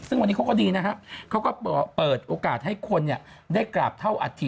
ซึ่งวันนี้เขาก็ดีนะฮะเขาก็เปิดโอกาสให้คนได้กราบเท่าอัฐิ